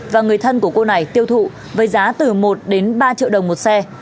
và người thân của cô này tiêu thụ với giá từ một đến ba triệu đồng một xe